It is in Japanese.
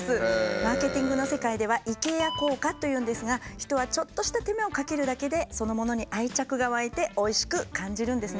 マーケティングの世界では「イケア効果」と言うんですが人はちょっとした手間をかけるだけでそのものに愛着がわいておいしく感じるんですね。